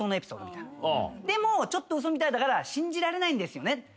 でもちょっと嘘みたいだから信じられないんですよね。